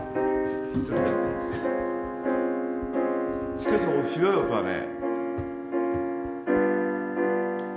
しかしひどい音だね。